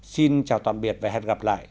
xin chào tạm biệt và hẹn gặp lại